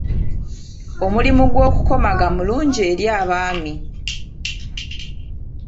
Omulimu gw’okukomaga mulungi eri abaami.